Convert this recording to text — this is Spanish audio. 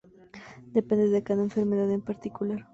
Depende de cada enfermedad en particular.